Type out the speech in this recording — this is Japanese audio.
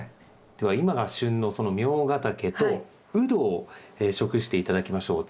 では今が旬のそのミョウガタケとウドを食して頂きましょう。